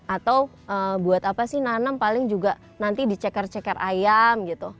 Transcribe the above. atau buat apa sih nanem paling juga nanti diceker ceker ayam gitu